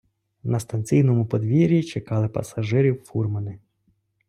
На станційному подвір'ї чекали пасажирів фурмани.